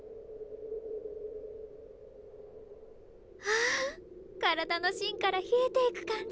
あ体のしんから冷えていく感じ！